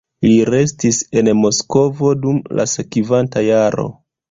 Li restis en Moskvo dum la sekvanta jaro.